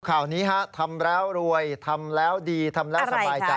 ข่าวนี้ฮะทำแล้วรวยทำแล้วดีทำแล้วสบายใจ